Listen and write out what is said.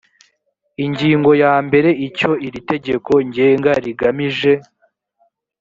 ingingo ya mbere icyo iri tegeko ngenga rigamije